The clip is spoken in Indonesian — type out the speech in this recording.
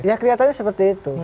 ya kelihatannya seperti itu